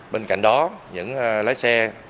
bên cạnh đó những lái xe